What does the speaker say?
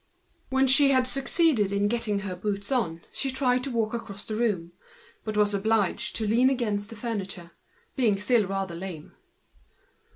When she got her boots on she tried to walk across the room; but was obliged to lean against the furniture, being still rather lame.